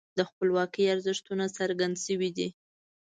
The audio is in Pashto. د خپلواکۍ ارزښتونه څرګند شوي دي.